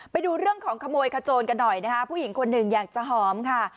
ไปดูเรื่องของขโมยขโจนกันหน่อยนะคะผู้หญิงคนหนึ่งอยากจะหอมค่ะ